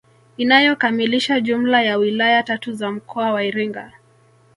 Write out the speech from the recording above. Inayokamilisha jumla ya wilaya tatu za mkoa wa Iringa